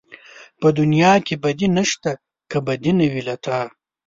په دنيا کې بدي نشته که بدي نه وي له تا